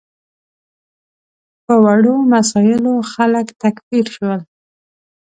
په وړو مسایلو خلک تکفیر شول.